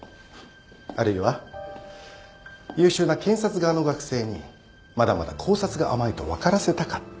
あるいは優秀な検察側の学生にまだまだ考察が甘いと分からせたかった。